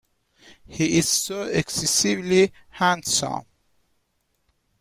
He is so excessively handsome!